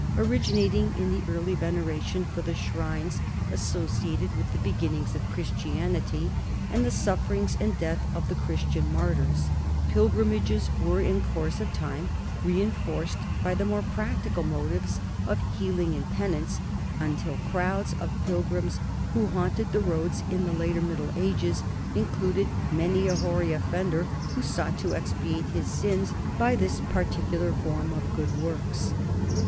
Originating in the early veneration for the shrines associated with the be ginnings of Christianity and the sufferings and death of the Christian martyrs, pilgrimages were in course of time reenforced by the more practical motives of healing and penance, until the crowds of pilgrims who haunted the roads in the later Middle Ages included many a hoary offender who sought to expiate his sins by this particular form of good works.